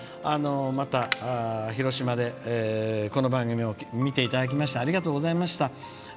また広島で、この番組を見ていただきましてありがとうございました。